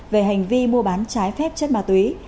về hành vi mua bán trái phép chất ma túy